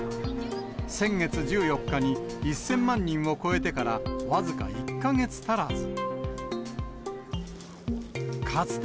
先月１４日に１０００万人を超えてから、僅か１か月足らず。